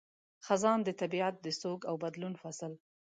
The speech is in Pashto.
خزان – د طبیعت د سوګ او بدلون فصل